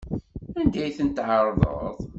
Anda ay tent-tɛerḍeḍ?